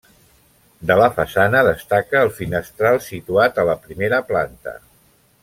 De la façana destaca el finestral situat a la primera planta.